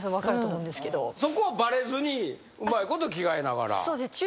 そこはバレずにうまいこと着替えながら。